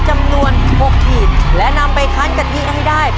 จำนวน๖ขีดและนำไปคั้นกะทิให้ได้